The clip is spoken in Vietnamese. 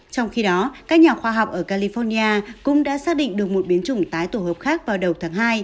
trong khi đó các nhà khoa học ở california cũng đã xác định được một biến chủng tái tổ hợp khác vào đầu tháng hai